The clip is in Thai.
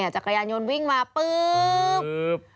จักรยานยนต์วิ่งมาปุ๊บ